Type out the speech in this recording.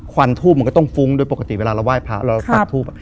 วันทูบมันก็ต้องฟุ้งโดยปกติเวลาเราไหว้พระเราปักทูบ